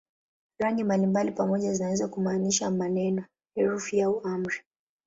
Rangi mbalimbali pamoja zinaweza kumaanisha maneno, herufi au amri.